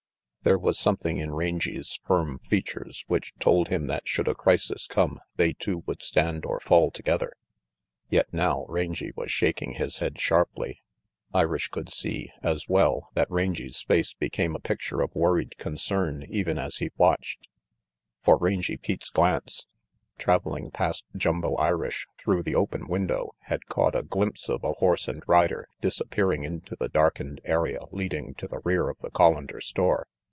There was something in Rangy's firm features which told him that should a ciisis come they two would stand or fall together; yet now Rangy was shaking his head sharply. Irish could see, as well, that Rangy's face became a picture of worried concern even as he watched. For Rangy Pete's glance, traveling past Jumbo Irish through the open window, had caught a glimpse of a horse and rider disappearing into the darkened area leading to the rear of the Collander store.